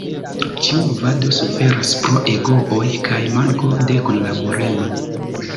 Ĉiu movado suferas pro egooj kaj manko de kunlaboremo.